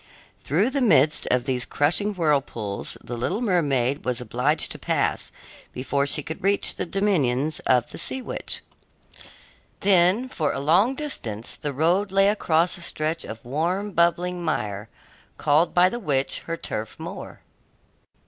Through the midst of these crushing whirlpools the little mermaid was obliged to pass before she could reach the dominions of the sea witch. Then, for a long distance, the road lay across a stretch of warm, bubbling mire, called by the witch her turf moor.